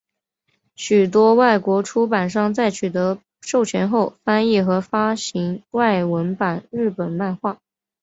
许多外国出版商在取得授权后翻译和发行外文版日本漫画。